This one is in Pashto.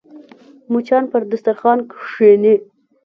مچان پر دسترخوان کښېني